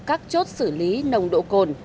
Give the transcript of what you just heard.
các chốt xử lý nồng độ cồn